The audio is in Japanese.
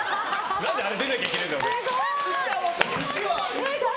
何であれ出なきゃいけないんだよ。